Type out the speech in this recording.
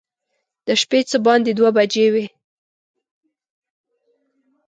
د شپې څه باندې دوه بجې وې.